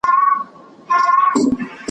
د مغان د پیر وصیت مي دی په غوږ کي `